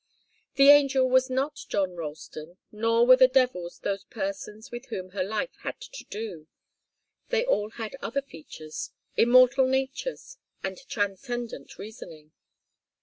The angel was not John Ralston, nor were the devils those persons with whom her life had to do. They all had other features, immortal natures, and transcendent reasoning.